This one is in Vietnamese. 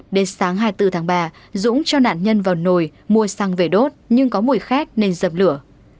đến sáng hai mươi bốn tháng ba dũng cho nạn nhân vào nồi mua xăng về đốt nhưng có mùi khét nên dập lửa